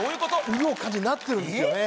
潤う感じになってるんですよね